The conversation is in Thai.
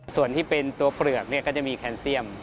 ส่วนที่เป็นตัวเปลือกก็จะมีแคนเตียม